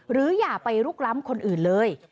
อย่าไปลุกล้ำคนอื่นเลย